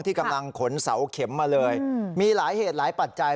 ที่กำลังขนเสาเข็มมาเลยมีหลายเหตุหลายปัจจัย